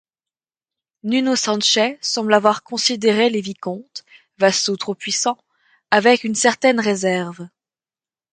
Nuno Sanche semble avoir considéré les vicomtes, vassaux trop puissants, avec une certaine réserve.